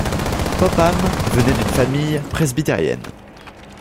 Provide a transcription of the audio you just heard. Popham venait d'une famille presbytérienne.